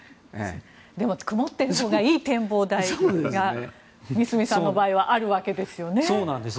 でも、曇っているほうがいいという展望台が三隅さんの場合はあるわけですよね。